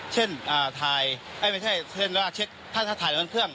เช่นถ่ายไม่ใช่เช่นว่าเช็คถ้าถ่ายบนเครื่อง